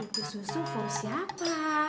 itu susu for siapa